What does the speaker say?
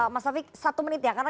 mas tafik satu menit ya karena